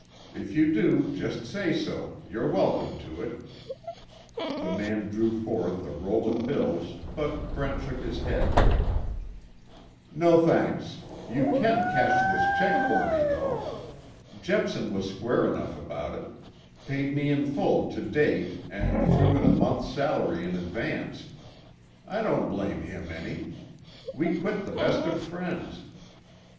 If you do just say so, you're welcome to it." The man drew forth a roll of bills, but Brent shook his head: "No thanks. You can cash this check for me though. Jepson was square enough about it paid me in full to date and threw in a month's salary in advance. I don't blame him any. We quit the best of friends.